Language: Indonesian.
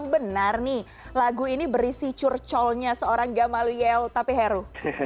benar nih lagu ini berisi curcolnya seorang gamaliel tapeheru